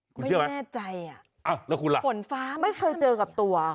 ไม่แน่ใจอ่ะฝนฟ้ามั้นไม่เคยเจอกับตัวค่ะ